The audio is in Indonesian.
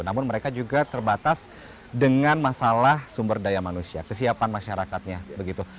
namun mereka juga terbatas dengan masalah sumber daya manusia kesiapan masyarakatnya begitu